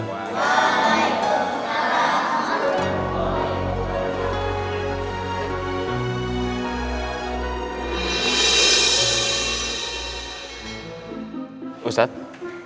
waalaikumsalam warahmatullahi wabarakatuh